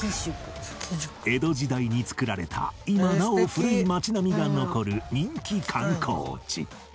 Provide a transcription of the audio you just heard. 江戸時代に作られた今なお古い町並みが残る人気観光地